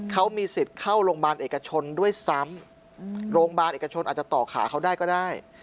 เขามีสิทธิ์เข้าโรงพยาบาลเอกชนด้วยซ้ำโรงพยาบาลเอกชนอาจจะต่อขาเขาได้ก็ได้